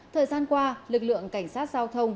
thời gian qua lực lượng cảnh sát giao thông